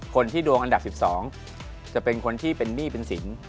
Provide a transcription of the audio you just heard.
คนที่ดวงอันดับ๑๒จะเป็นคนที่เป็นหนี้เป็นสิน